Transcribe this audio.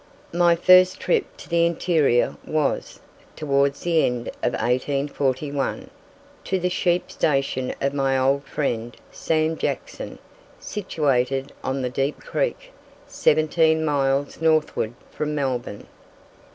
My first trip to the interior was, towards the end of 1841, to the sheep station of my old friend Sam Jackson, situated on the Deep Creek, seventeen miles northward from Melbourne.